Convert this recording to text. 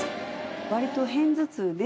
わりと片頭痛で。